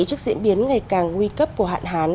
trước diễn biến ngày càng nguy cấp của hạn hán